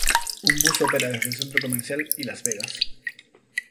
Un bus opera desde el centro comercial y Las Vegas.